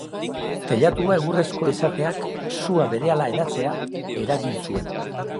Teilatua egurrezkoa izateak sua berehala hedatzea eragin zuen.